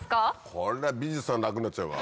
これは美術さんなくなっちゃうわ。